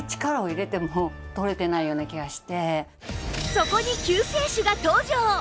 そこに救世主が登場！